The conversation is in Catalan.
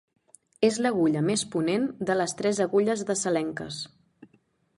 És l'agulla més a ponent de les tres Agulles de Salenques.